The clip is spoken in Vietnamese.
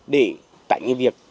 để tại những việc